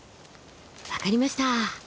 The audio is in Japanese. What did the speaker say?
分かりました！